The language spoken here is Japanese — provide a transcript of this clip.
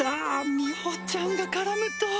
みほちゃんが絡むと